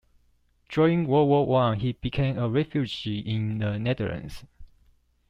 During World War One, he became a refugee in the Netherlands.